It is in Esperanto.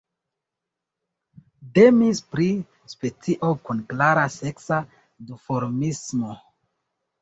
Temis pri specio kun klara seksa duformismo.